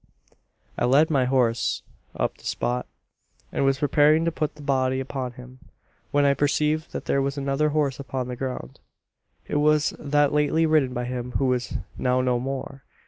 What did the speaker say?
"I led my horse up to the spot, and was preparing to put the body upon him, when I perceived that there was another horse upon the ground. It was that lately ridden by him who was now no more.